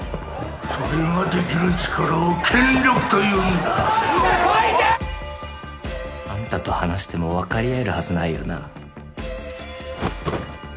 「それができる力を権力というんだ」あんたと話してもわかり合えるはずないよな。